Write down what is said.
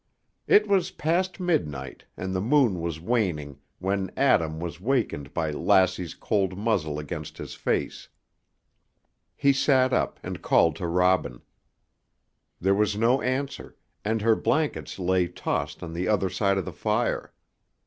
It was past midnight, and the moon was waning when Adam was wakened by Lassie's cold muzzle against his face. He sat up and called to Robin. There was no answer, and her blankets lay tossed on the other side of the fire.